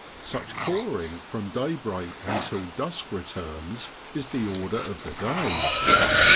Such cawing from daybreak until dusk returns is the order of the day